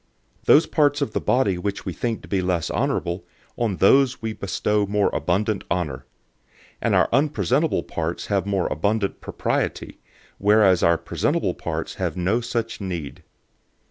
012:023 Those parts of the body which we think to be less honorable, on those we bestow more abundant honor; and our unpresentable parts have more abundant propriety; 012:024 whereas our presentable parts have no such need.